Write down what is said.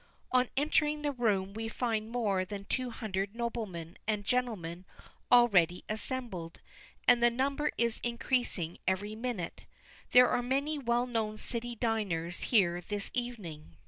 On entering the room, we find more than two hundred noblemen, and gentlemen already assembled; and the number is increasing every minute. There are many well known city diners here this evening.